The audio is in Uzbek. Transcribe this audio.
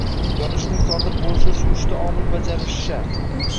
Yonishning sodir bo’lishi uchun uchta omil bajarilishi shart